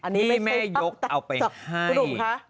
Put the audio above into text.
ที่แม่ยกเอาไปให้